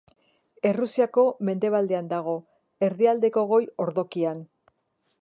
Errusiako mendebaldean dago, erdialdeko goi-ordokian.